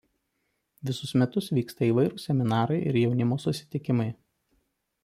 Visus metus vyksta įvairūs seminarai ir jaunimo susitikimai.